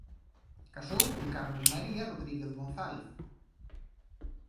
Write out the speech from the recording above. Casou con Carmen María Rodríguez González.